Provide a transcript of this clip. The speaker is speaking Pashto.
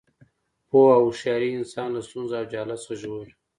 پوهه او هوښیاري انسان له ستونزو او جهالت څخه ژغوري.